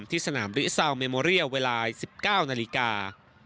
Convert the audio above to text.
ที่สนามริซาวเมโมเรียลเวลา๑๙นาฬิกา